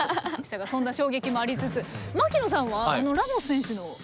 そんな衝撃もありつつ槙野さんはあのラモス選手のループシュート。